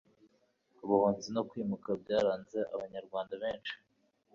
ubuhunzi no kwimuka byaranze abanyarwanda benshi